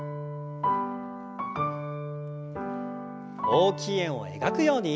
大きい円を描くように。